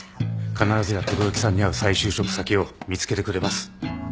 必ずや轟さんに合う再就職先を見つけてくれます。